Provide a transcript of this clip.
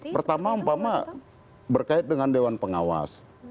pertama umpama berkait dengan dewan pengawas